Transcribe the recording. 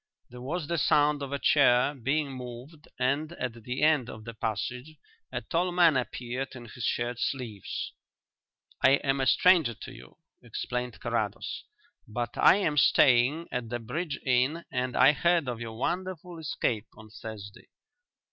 There was the sound of a chair being moved and at the end of the passage a tall man appeared in his shirt sleeves. "I am a stranger to you," explained Carrados, "but I am staying at the Bridge Inn and I heard of your wonderful escape on Thursday.